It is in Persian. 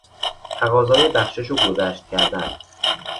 تقاضای بخشش و گذشت کردن